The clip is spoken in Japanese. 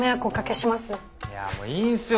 いやもういいんすよ